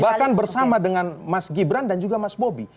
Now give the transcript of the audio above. dan juga bersama dengan mas gibran dan juga mas bobi